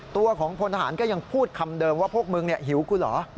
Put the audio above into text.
ตัวของพลทหารก็ยังพูดคำเดิมว่าพวกมึงหิวกูเหรอ